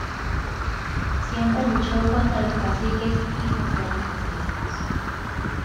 Siempre luchó contra los caciques y los latifundistas.